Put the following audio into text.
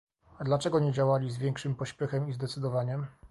Dlaczego nie działali z większym pośpiechem i zdecydowaniem?